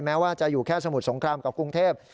แม้ว่าจะอยู่แค่สมุทรสงครามกับกรุงเทพ